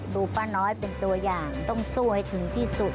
ป้าน้อยเป็นตัวอย่างต้องสู้ให้ถึงที่สุด